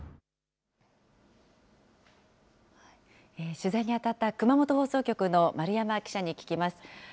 取材に当たった熊本放送局の丸山記者に聞きます。